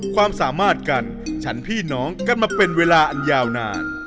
ความสามารถกันฉันพี่น้องกันมาเป็นเวลาอันยาวนาน